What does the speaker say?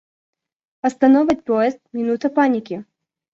Остановят поезд — минута паники.